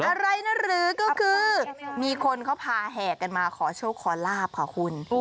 อะไรนะหรือก็คือมีคนเขาพาแห่กันมาขอโชคขอลาบค่ะคุณ